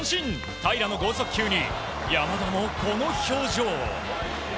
平良の豪速球に山田もこの表情。